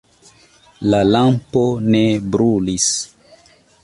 La lampo ne brulis.